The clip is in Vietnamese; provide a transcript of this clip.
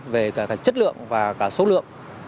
về cả chất lượng và số lượng